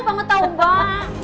paman tau mbak